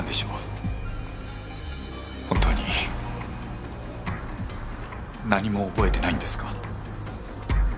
本当に何も覚えてないんですか？